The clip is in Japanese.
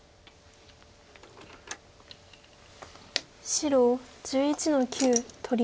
白１１の九取り。